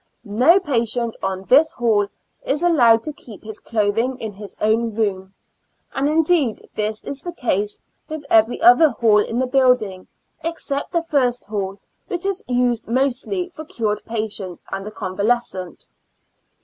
No patient on this hall is allowed to keep his clothing in his own room ; and indeed this is the case with every other hall in the building, except the first hall, which is used mostly for cured patients and the convalescent.